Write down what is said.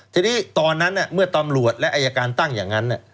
ทีนี้ตอนนั้นเมื่อตำรวจและอายการตั้งอย่างนั้น